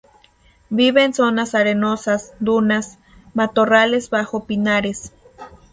Vive en zonas arenosas, dunas, matorrales bajo pinares.